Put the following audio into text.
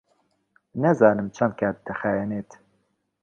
نازانم چەند کات دەخایەنێت.